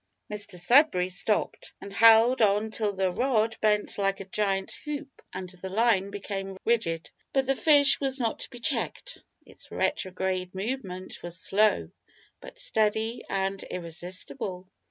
Mr Sudberry stopped, and held on till the rod bent like a giant hoop and the line became rigid; but the fish was not to be checked. Its retrograde movement was slow, but steady and irresistible.